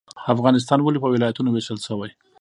افغانستان ولې په ولایتونو ویشل شوی؟